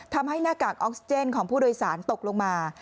หน้ากากออกซิเจนของผู้โดยสารตกลงมา